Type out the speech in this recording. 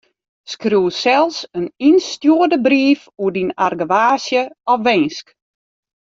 Skriuw sels in ynstjoerde brief oer dyn argewaasje of winsk.